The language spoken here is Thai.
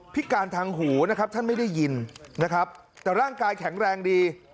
พิการทางหูนะครับท่านไม่ได้ยินนะครับแต่ร่างกายแข็งแรงดี